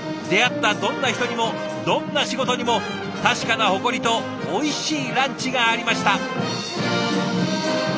出会ったどんな人にもどんな仕事にも確かな誇りとおいしいランチがありました。